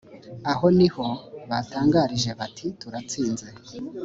aho ni ho batangarije bati turatsinze